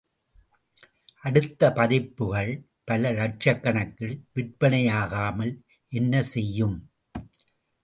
அடுத்த பதிப்புகள் பல லட்சக்கணக்கில் விற்பனை யாகாமல் என்ன செய்யும்?